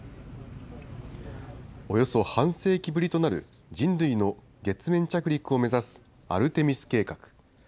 およそ半世紀ぶりとなる、人類の月面着陸を目指すアルテミス計画。